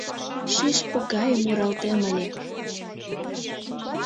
Шӱшпык гае муралтем ыле.